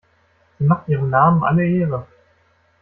Sie macht ihrem Namen alle Ehre.